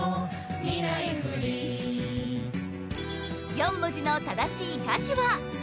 ４文字の正しい歌詞は？